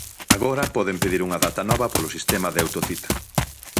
Agora poden pedir unha data nova polo sistema de autocita.